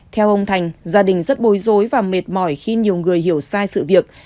theo ông thành gia đình rất bối rối và mệt mỏi khi nhiều người hiểu sai sự việc